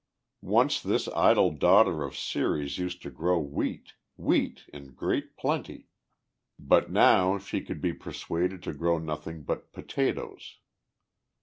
Once this idle daughter of Ceres used to grow wheat, wheat "in great plenty," but now she could be persuaded to grow nothing but potatoes.